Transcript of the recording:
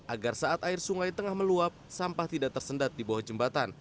agar saat air sungai tengah meluap sampah tidak tersendat di bawah jembatan